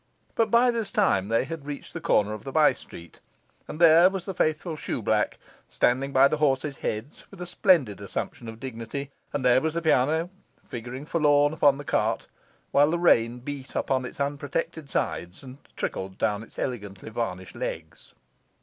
But by this time they had reached the corner of the by street; and there was the faithful shoeblack, standing by the horses' heads with a splendid assumption of dignity; and there was the piano, figuring forlorn upon the cart, while the rain beat upon its unprotected sides and trickled down its elegantly varnished legs.